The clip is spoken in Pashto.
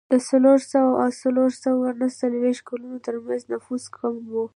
د څلور سوه او څلور سوه نهه څلوېښت کلونو ترمنځ نفوس کم و.